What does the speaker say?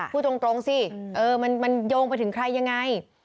พูดตรงสิมันโยงไปถึงใครยังไง